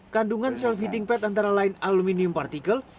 kandungan self heating pad antara lain aluminium partikel